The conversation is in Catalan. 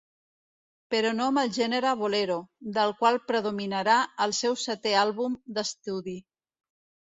Però no amb el gènere bolero, del qual predominarà el seu setè àlbum d'estudi.